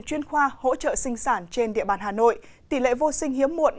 chuyên khoa hỗ trợ sinh sản trên địa bàn hà nội tỷ lệ vô sinh hiếm muộn